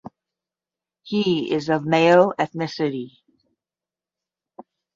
He is of Miao ethnicity.